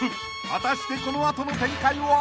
［果たしてこの後の展開は？］